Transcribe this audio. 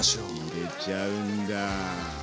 入れちゃうんだ。